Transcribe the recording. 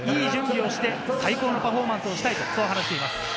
いい準備をして最高のパフォーマンスをしたいと話しています。